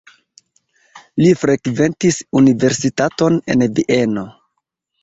Li frekventis universitaton en Vieno.